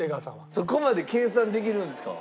そこまで計算できるんですか？